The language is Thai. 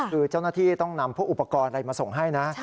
คือเจ้าหน้าที่ต้องนำพวกอุปกรณ์อะไรมาส่งให้นะ